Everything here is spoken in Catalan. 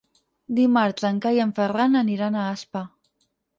Dimarts en Cai i en Ferran aniran a Aspa.